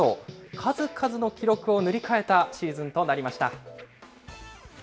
数々の記録を塗り替えたシーズンとなりました。